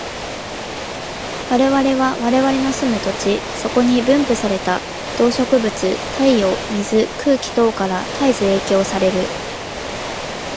我々は我々の住む土地、そこに分布された動植物、太陽、水、空気等から絶えず影響される。